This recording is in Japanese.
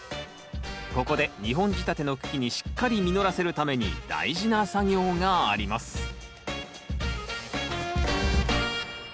ここで２本仕立ての茎にしっかり実らせるために大事な作業があります先生